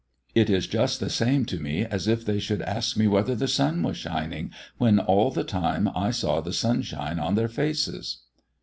It is just the same to me as if they should ask me whether the sun was shining, when all the time I saw the sunshine on their faces."